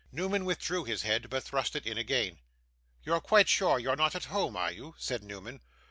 Newman withdrew his head, but thrust it in again. 'You're quite sure you're not at home, are you?' said Newman.